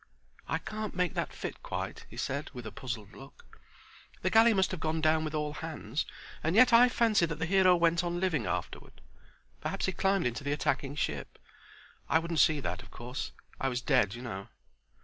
"I can't make that fit quite," he said with a puzzled look. "The galley must have gone down with all hands and yet I fancy that the hero went on living afterward. Perhaps he climbed into the attacking ship. I wouldn't see that, of course. I was dead, you know."